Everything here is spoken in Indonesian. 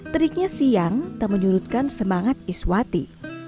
teriknya siang tak menyurutkan semangat iswati